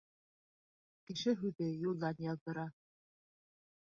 Кеше һүҙе юлдан яҙҙыра.